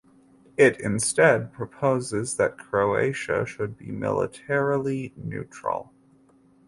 It instead proposes that Croatia should be militarily neutral.